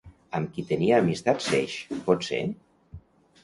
Amb qui tenia amistat Ceix, potser?